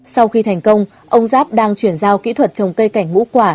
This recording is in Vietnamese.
sau khi thành công ông giáp đang chuyển giao kỹ thuật trồng cây cảnh ngũ quả